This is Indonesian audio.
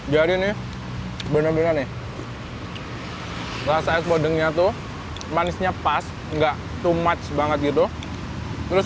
jadi ini bener bener nih rasa es podeng nya tuh manisnya pas enggak tumat banget gitu terus